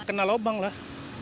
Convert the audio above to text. kena lubang lah